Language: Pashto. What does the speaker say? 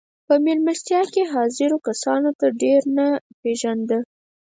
په مېلمستيا کې حاضرو کسانو هغه ډېر نه پېژانده.